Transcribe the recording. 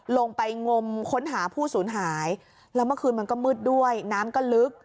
ลงไปงมค้นหาผู้สูญหายแล้วเมื่อคืนมันก็มืดด้วยน้ำก็ลึก